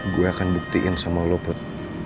gue akan buktiin sama lo put